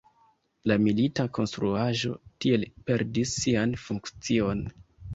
La milita konstruaĵo tiel perdis sian funkcion.